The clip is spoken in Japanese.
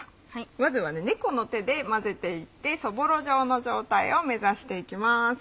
まずは猫の手で混ぜていってそぼろ状の状態を目指していきます。